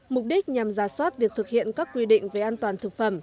mục đích nhằm giả soát việc thực hiện các quy định về an toàn thực phẩm